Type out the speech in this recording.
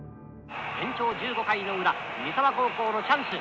延長１５回の裏三沢高校のチャンス。